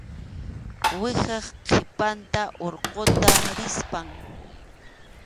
Uwihap qhipanta urquta rispam.